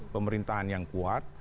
pemerintahan yang kuat